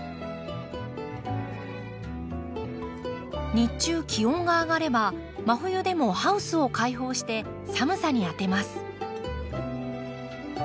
日中気温が上がれば真冬でもハウスを開放して寒さに当てます。